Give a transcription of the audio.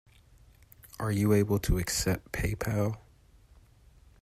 Are you able to accept Paypal?